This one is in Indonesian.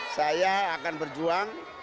saya akan berjuang